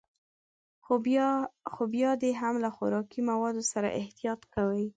خو بيا دې هم له خوراکي موادو سره احتياط کوي.